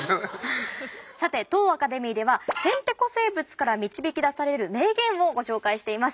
さて当アカデミーではへんてこ生物から導きだされる名言をご紹介しています。